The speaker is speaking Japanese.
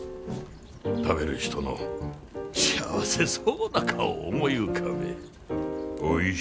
食べる人の幸せそうな顔を思い浮かべえ。